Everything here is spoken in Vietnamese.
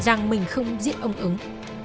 rằng mình không giết ông ứng